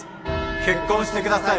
結婚してください！